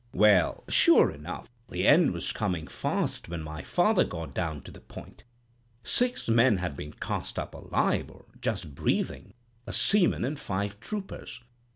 "Well, sure enough, the end was coming fast when my father got down to the point. Six men had been cast up alive, or just breathing—a seaman and five troopers.